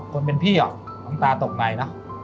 คนเป็นพี่หรอต้องตาตกในเนอะ